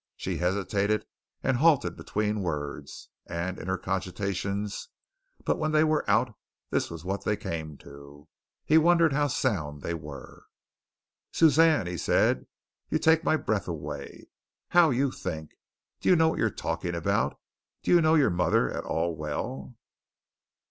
She hesitated and halted between words and in her cogitations, but when they were out this was what they came to. He wondered how sound they were. "Suzanne," he said, "you take my breath away! How you think! Do you know what you're talking about? Do you know your mother at all well?"